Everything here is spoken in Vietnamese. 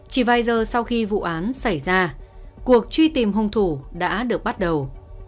chỉ vài giờ sau khi vụ án xảy ra cuộc truy tìm hung thủ đã được bắt đầu